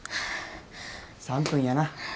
３分やな。